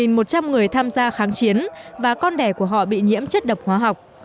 một trăm linh người tham gia kháng chiến và con đẻ của họ bị nhiễm chất độc hóa học